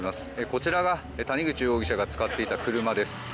こちらが谷口容疑者が使っていた車です。